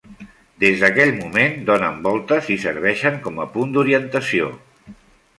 Des d'aquell moment, donen voltes i serveixen com a punt d'orientació.